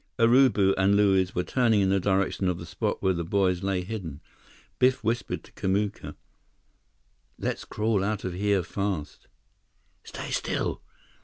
Urubu and Luiz were turning in the direction of the spot where the boys lay hidden. Biff whispered to Kamuka: "Let's crawl out of here fast—" "Stay still!"